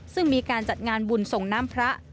ซึ่งมีการจัดงานบุญส่งน้ำพระ